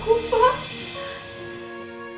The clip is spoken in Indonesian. aku juga nyesel bercananya sama bapak